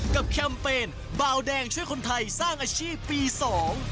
แคมเปญเบาแดงช่วยคนไทยสร้างอาชีพปีสอง